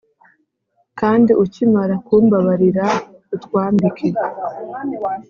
Kandi ukimara kumbabarira utwambike